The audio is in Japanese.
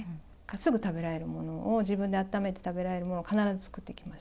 すぐ食べられるものを、自分で温めて食べられるものを必ず作っておきます。